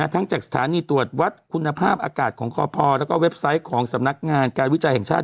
ทั้งจากสถานีตรวจวัดคุณภาพอากาศของคพแล้วก็เว็บไซต์ของสำนักงานการวิจัยแห่งชาติ